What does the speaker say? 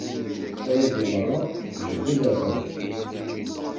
Ayagi meṛṛa, d beddu n leɛtab.